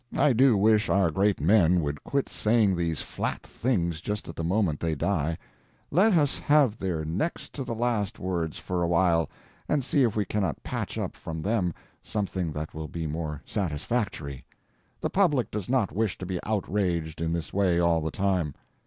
I do wish our great men would quit saying these flat things just at the moment they die. Let us have their next to the last words for a while, and see if we cannot patch up from them something that will be more satisfactory. The public does not wish to be outraged in this way all the time.